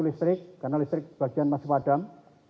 listrik karena listrik sebagian masih padam